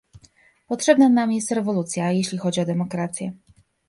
Potrzebna nam jest rewolucja, jeśli chodzi o demokrację